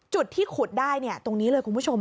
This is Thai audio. จุดที่ขุดได้ตรงนี้เลยคุณผู้ชม